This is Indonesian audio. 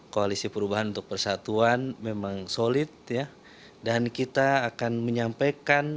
koalisi perubahan untuk persatuan memang solid dan kita akan menyampaikan